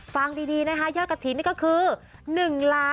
ฟังดีนะฮะยอดกระถิ่นนี่ก็คือ๑๔๘๙๓๕บาท